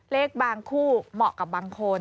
เลขบางคู่เหมาะกับบางคน